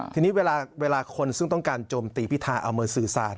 ทีนี้เวลาคนซึ่งต้องการโจมตีพิธาเอามาสื่อสาร